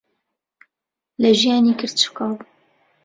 لە ژیانی کرچ و کاڵ.